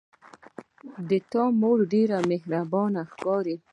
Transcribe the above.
د تا مور ډیره مهربانه ښکاري